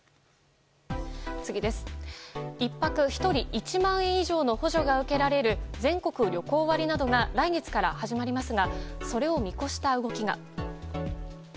次です、１泊１人１万円以上の補助が受けられる全国旅行割などが来月から始まりますがそれを見越した動きが。